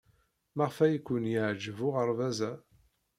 Maɣef ay ken-yeɛjeb uɣerbaz-a?